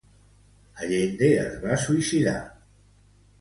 Allende es va suïcidar.